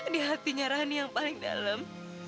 di hatinya rani yang paling dalam